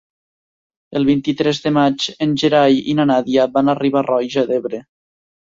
El vint-i-tres de maig en Gerai i na Nàdia van a Riba-roja d'Ebre.